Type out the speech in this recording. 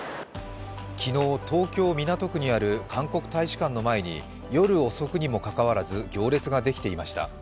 昨日、東京・港区にある韓国大使館の前に夜遅くにもかかわらず行列ができていました。